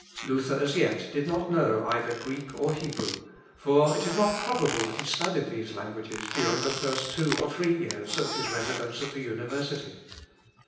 " Luther as yet did not know either Greek or Hebrew; for it is not probable that he studied these languages during the first two or three years of his residence at the university.